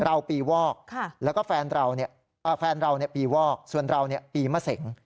เราปีวอกค่ะแล้วก็แฟนเราเนี่ยอ่าแฟนเราเนี่ยปีวอกส่วนเราเนี่ยปีมะเส็งอ๋อ